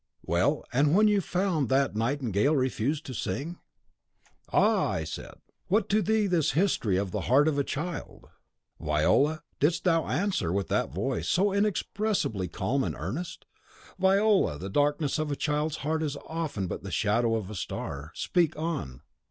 "'Well, and when you found that the nightingale refused to sing?' "'Ah!' I said, 'what to thee this history of the heart of a child?' "'Viola,' didst thou answer, with that voice, so inexpressibly calm and earnest! 'Viola, the darkness of a child's heart is often but the shadow of a star. Speak on!